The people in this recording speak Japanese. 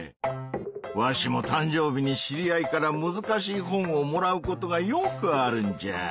わしもたんじょうびに知り合いからむずかしい本をもらうことがよくあるんじゃ。